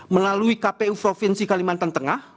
melalui kpu provinsi kalimantan tengah